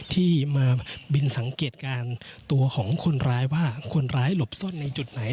ที่มาบินสังเกตการณ์ตัวของคนร้ายว่าคนร้ายหลบซ่อนในจุดไหน